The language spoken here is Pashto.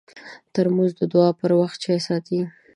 ترموز د دعا پر وخت چای ساتي.